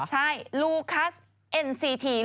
ใช่ลูคัสเอ็นซีทีน